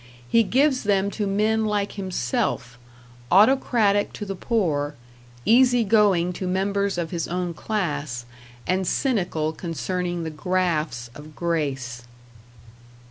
He gives them to men like himself autocratic to the poor, easy going to members of his own class, and cynical concerning the grafts of grace.